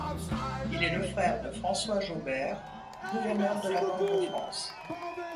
Il est le frère de François Jaubert, gouverneur de la Banque de France.